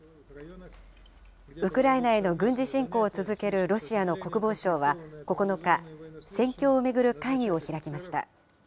ウクライナへの軍事侵攻を続けるロシアの国防省は９日、戦況を巡る会議を開きました。